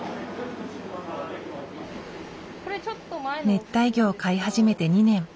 熱帯魚を飼い始めて２年。